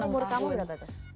oke berapa umur kamu berapa tuh